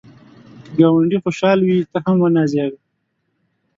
که ګاونډی خوشحال وي، ته هم ونازېږه